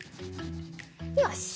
よし！